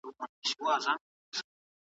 سیاستوال د مظلومانو د دفاع لپاره څه لیکي؟